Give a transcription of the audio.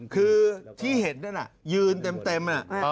คือที่เห็นนั่นน่ะยืนเต็ม